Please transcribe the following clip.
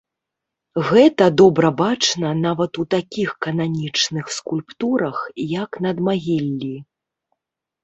Гэта добра бачна нават у такіх кананічных скульптурах, як надмагіллі.